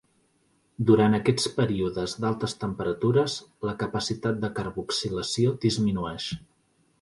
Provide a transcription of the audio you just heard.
Durant aquests períodes d'altes temperatures, la capacitat de carboxilació disminueix.